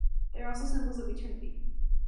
They are also symbols of eternity.